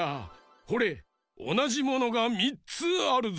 ほれおなじものが３つあるぞ。